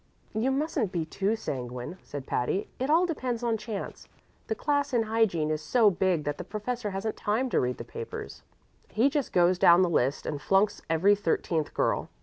"You mustn't be too sanguine," said Patty. "It all depends on chance. The class in hygiene is so big that the professor hasn't time to read the papers; he just goes down the list and flunks every thirteenth girl.